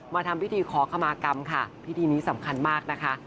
ทำพิธีขอขมากรรมค่ะพิธีนี้สำคัญมากนะคะ